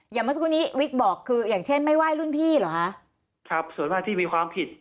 เมื่อสักครู่นี้วิกบอกคืออย่างเช่นไม่ไหว้รุ่นพี่เหรอคะครับส่วนมากที่มีความผิด